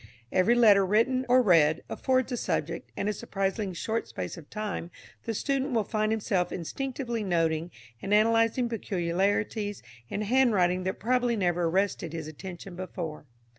Every letter written or read affords a subject, and in a surprisingly short space of time the student will find himself instinctively noting and analysing peculiarities in handwriting that probably never arrested his attention before.